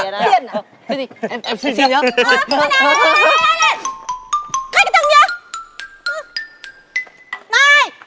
thế gì em xin nhá